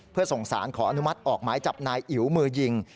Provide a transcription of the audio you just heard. เพื่อส่งสารขออนุมัติออกหมายจับนายอิ๋วมือยิง